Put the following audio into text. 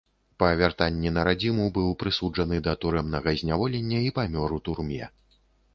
Па вяртанні на радзіму быў прысуджаны да турэмнага зняволення і памёр у турме.